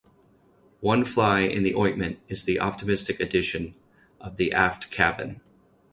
One fly in the ointment is the optimistic addition of the aft ‘cabin’.